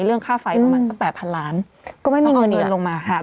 เรื่องค่าไฟประมาณสักแปดพันล้านก็ไม่ต้องเอาเงินลงมาค่ะ